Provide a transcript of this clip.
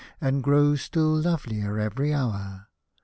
And grow still lovelier every hour.